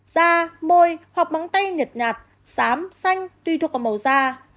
da môi hoặc bóng tay nhạt nhạt xám xanh tuy thuộc vào màu da